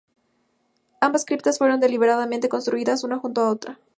Ambas criptas fueron deliberadamente construidas una junto a la otra.